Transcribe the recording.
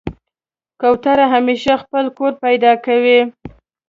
کوتره همیشه خپل کور پیدا کوي.